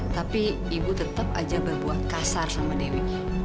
tapi ibu tetap aja berbuat kasar sama dewi